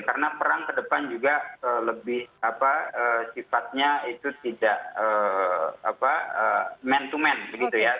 karena perang ke depan juga lebih apa sifatnya itu tidak apa man to man begitu ya